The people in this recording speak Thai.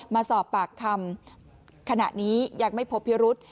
มาสอบปากคำขณะนี้อยากไม่พบเพียรุฑ